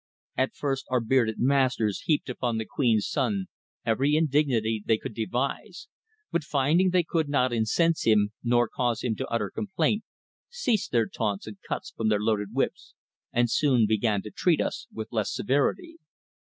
At first our bearded masters heaped upon the queen's son every indignity they could devise, but finding they could not incense him, nor cause him to utter complaint, ceased their taunts and cuts from their loaded whips, and soon began to treat us with less severity.